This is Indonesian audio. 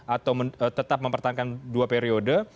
atau tetap mempertahankan dua periode